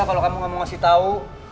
kalau kamu ga mau ngasih tau